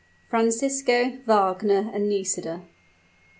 FRANCISCO, WAGNER AND NISIDA.